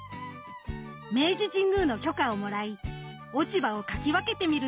明治神宮の許可をもらい落ち葉をかき分けて見ると。